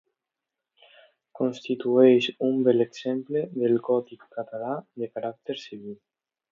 Constitueix un bell exemple del gòtic català de caràcter civil.